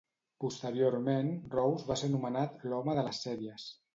Posteriorment Rose va ser anomenat l'"home de les sèries".